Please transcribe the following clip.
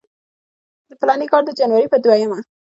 د فلاني کال د جنورۍ پر دویمه.